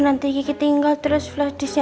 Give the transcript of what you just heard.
nanti kiki tinggal terus flash disknya